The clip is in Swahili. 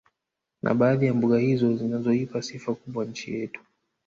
Na baadhi ya mbuga hizo zinazoipa sifa kubwa nchi yetu